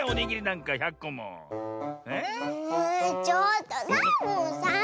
ちょっとサボさん！